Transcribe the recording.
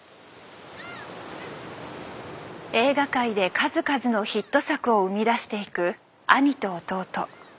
映画界で数々のヒット作を生み出していく兄と弟。